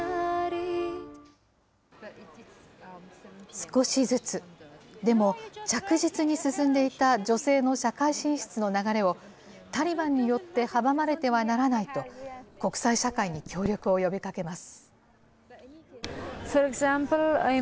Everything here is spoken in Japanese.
少しずつ、でも、着実に進んでいた女性の社会進出の流れをタリバンによって阻まれてはならないと、国際社会に協力を呼びかけます。